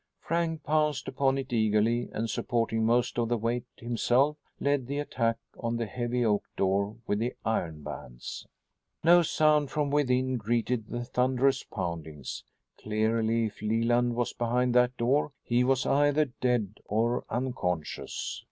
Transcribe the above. Frank pounced upon it eagerly, and, supporting most of the weight himself, led the attack on the heavy oak door with the iron bands. No sound from within greeted the thunderous poundings. Clearly, if Leland was behind that door, he was either dead or unconscious.